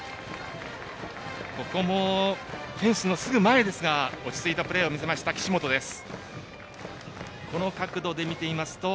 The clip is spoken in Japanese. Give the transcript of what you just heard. ここもフェンスのすぐ前ですが落ち着いたプレーを見せました岸本です。